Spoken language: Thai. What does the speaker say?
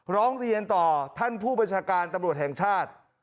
ร้องเรียนต่อท่านผู้บัญชาการตำรวจแห่งชาติ